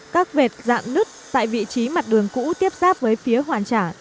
các vẹt dạng nứt tại vị trí mặt đường cũ tiếp xác với phía hoàn trả